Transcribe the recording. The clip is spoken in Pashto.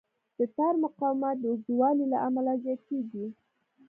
د تار مقاومت د اوږدوالي له امله زیاتېږي.